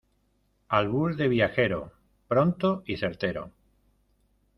albur de viajero, pronto y certero.